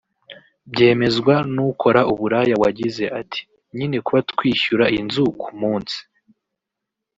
Byemezwa n’ukora uburaya wagize ati “Nyine kuba twishyura inzu ku munsi